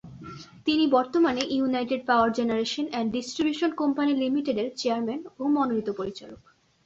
তিনি বর্তমানে united power generation and distribution company লিমিটেডের চেয়ারম্যান ও মনোনিত পরিচালক।